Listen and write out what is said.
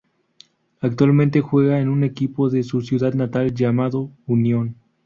Actualmente juega en un equipo de su ciudad natal, llamado Unión.